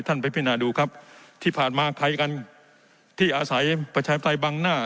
ท่านพระพินาศดูครับที่ผ่านมาใครกันที่อาศัยประชาภัยบังหน้า